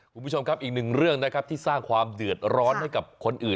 คุณผู้ชมครับอีกหนึ่งเรื่องนะครับที่สร้างความเดือดร้อนให้กับคนอื่น